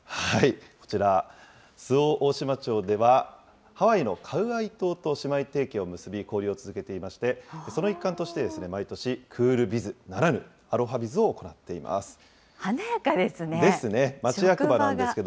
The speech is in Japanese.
こちら、周防大島町では、ハワイのカウアイ島と姉妹提携を結び、交流を続けていまして、その一環として、毎年、クールビズな華やかですね。